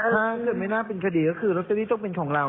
ถ้าเกิดไม่น่าเป็นคดีก็คือลอตเตอรี่ต้องเป็นของเรา